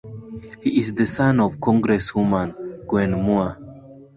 He is the son of Congresswoman Gwen Moore.